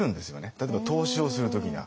例えば投資をする時には。